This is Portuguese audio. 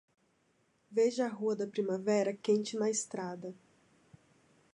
Veja a rua da primavera quente na estrada